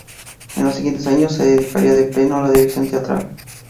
En los siguientes años, se dedicaría de pleno a la dirección teatral.